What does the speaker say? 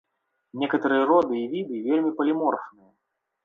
Некаторыя роды і віды вельмі паліморфныя.